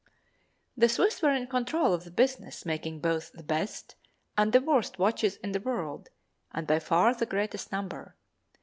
The Swiss were in control of the business, making both the best and the worst watches in the world and by far the greatest number.